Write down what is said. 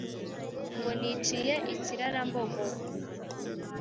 Ngo niciye i Kirarambogo